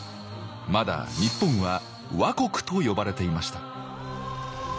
まだ日本は倭国と呼ばれていました。